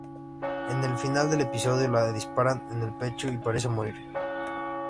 En el final del episodio, la disparan en el pecho y parece morir.